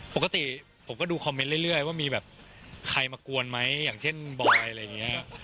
ปกติผมก็ดูคอมเมนต์เรื่อยว่ามีแบบใครมากวนไหมอย่างเช่นบอยอะไรอย่างนี้